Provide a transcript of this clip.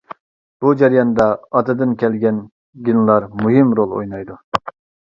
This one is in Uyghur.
بۇ جەرياندا ئاتىدىن كەلگەن گېنلار مۇھىم رول ئوينايدۇ.